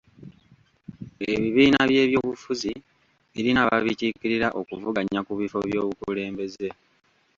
Ebibiina by'ebyobufuzi birina ababikiikirira okuvuganya ku bifo by'obukulembeze.